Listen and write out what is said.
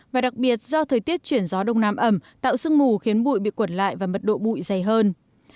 và đặc biệt do thời tiết chuyển gió đông nam ẩm tạo sương mù khiến bụi bị quẩn lại và mật độ bụi dày hơn